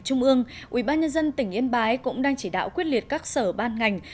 trung ương ubnd tỉnh yên bái cũng đang chỉ đạo quyết liệt các sở ban ngành